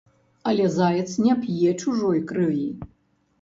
Але заяц не п'е чужой крыві.